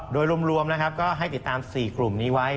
โดยรวมนะครับก็ให้ติดตาม๔กลุ่มนี้ไว้